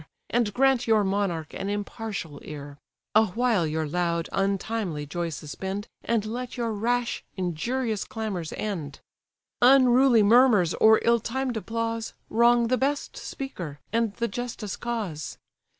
And grant your monarch an impartial ear: Awhile your loud, untimely joy suspend, And let your rash, injurious clamours end: Unruly murmurs, or ill timed applause, Wrong the best speaker, and the justest cause.